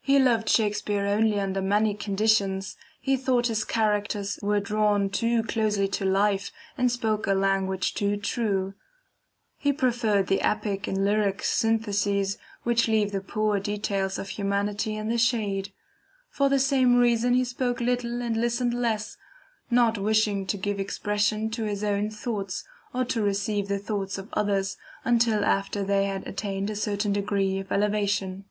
"He loved Shakspeare only under many conditions. He thought his characters were drawn too closely to the life, and spoke a language too true; he preferred the epic and lyric syntheses which leave the poor details of humanity in the shade. For the same reason he spoke little and listened less, not wishing to give expression to his own thoughts, or to receive the thoughts of others, until after they had attained a certain degree of elevation."